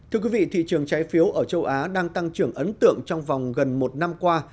thưa quý vị thị trường trái phiếu ở châu á đang tăng trưởng ấn tượng trong vòng gần một năm qua